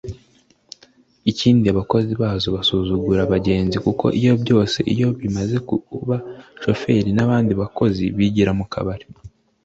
ikindi abakozi bazo basuzugura abagenzi kuko ibyo byose iyo bimaze kuba Shoferi n’abandi bakozi bigira mu kabari